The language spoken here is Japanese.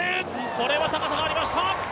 これは高さがありました。